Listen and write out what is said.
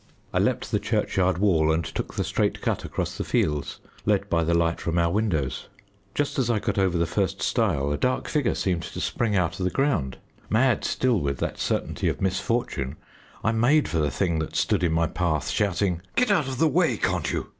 I leaped the churchyard wall and took the straight cut across the fields, led by the light from our windows. Just as I got over the first stile, a dark figure seemed to spring out of the ground. Mad still with that certainty of misfortune, I made for the thing that stood in my path, shouting, "Get out of the way, can't you!"